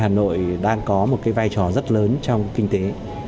hà nội đang có một cái vai trò rất lớn trong kinh tế